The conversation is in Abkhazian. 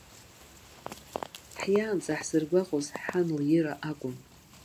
Ҳиаанӡа ҳзыргәаҟуаз ҳан лыира акәын.